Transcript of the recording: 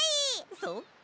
そっか。